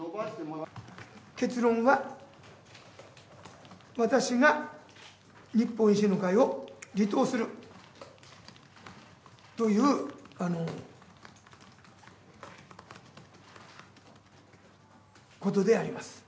結論は、私が日本維新の会を離党するということであります。